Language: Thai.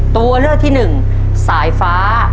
ตัวเลือกที่๑สายฟ้า